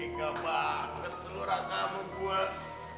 tiga banget telur raka mau buat